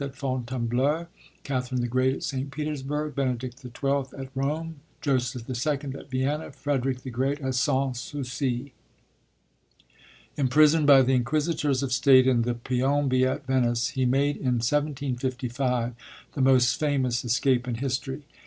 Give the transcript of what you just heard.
at Fontainebleau, Catherine the Great at St. Petersburg, Benedict XII. at Rome, Joseph II. at Vienna, Frederick the Great at Sans Souci. Imprisoned by the Inquisitors of State in the Piombi at Venice, he made, in 1755, the most famous escape in history.